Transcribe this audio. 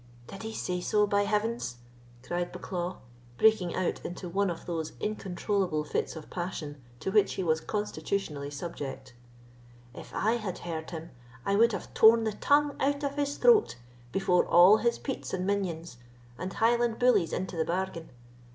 "Did he say so, by heavens!" cried Bucklaw, breaking out into one of those incontrollable fits of passion to which he was constitutionally subject; "if I had heard him, I would have torn the tongue out of his throat before all his peats and minions, and Highland bullies into the bargain.